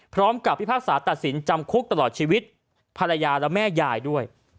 พิพากษาตัดสินจำคุกตลอดชีวิตภรรยาและแม่ยายด้วย